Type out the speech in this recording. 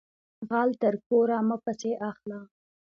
غل تر کوره مه پسی اخله